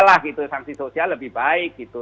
lah gitu sanksi sosial lebih baik gitu